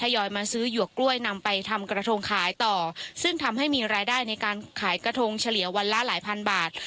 ยอยมาซื้อหยวกกล้วยนำไปทำกระทงขายต่อซึ่งทำให้มีรายได้ในการขายกระทงเฉลี่ยวันละหลายพันบาท